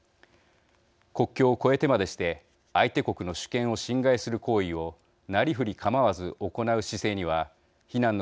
国境を越えてまでして相手国の主権を侵害する行為をなりふり構わず行う姿勢には非難の声が上がっています。